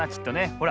ほら。